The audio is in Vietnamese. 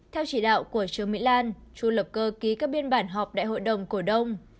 theo chỉ đạo của trương mỹ lan chu lập cơ ký các biên bản họp đại hội đồng cổ đông